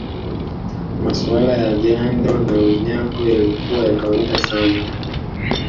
Masuala ya jando na Unyago yalikuwa ya kawaida sana